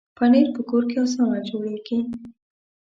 پنېر په کور کې اسانه جوړېږي.